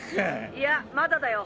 いやまだだよ。